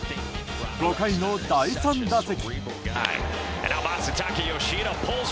５回の第３打席。